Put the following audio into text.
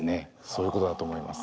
そういうことだと思います。